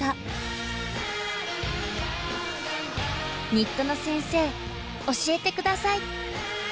入戸野先生教えてください。